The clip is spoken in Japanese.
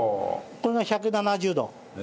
これが１７０度。